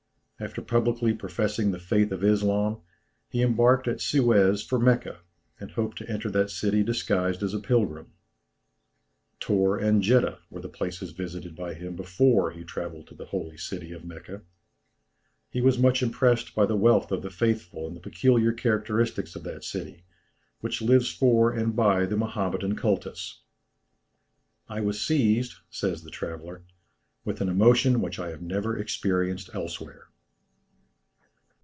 After publicly professing the faith of Islam, he embarked at Suez for Mecca, and hoped to enter that city disguised as a pilgrim. Tor and Jeddah were the places visited by him before he travelled to the holy city of Mecca. He was much impressed by the wealth of the faithful and the peculiar characteristics of that city, which lives for and by the Mahometan cultus. "I was seized," says the traveller, "with an emotion which I have never experienced elsewhere."